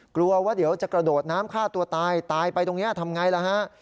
กลัวว่าเดี๋ยวจะกระโดดน้ำฆ่าตัวตายตายไปตรงนี้ทำไงล่ะฮะ